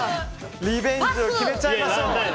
リベンジを決めちゃいましょう。